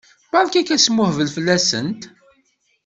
Berka asmuhbel fell-asent!